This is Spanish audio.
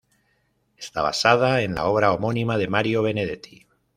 Está basada en la obra homónima de Mario Benedetti.